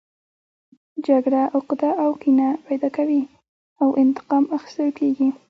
جګړه عقده او کینه پیدا کوي او انتقام اخیستل کیږي